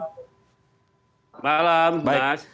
selamat malam mas